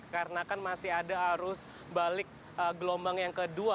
karena kan masih ada arus balik gelombang yang kedua